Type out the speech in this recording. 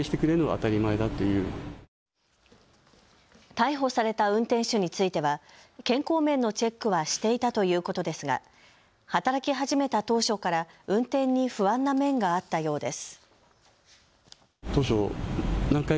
逮捕された運転手については健康面のチェックはしていたということですが働き始めた当初から運転に不安な面があったようです。